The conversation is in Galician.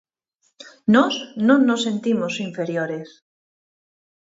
Nós non nos sentimos inferiores.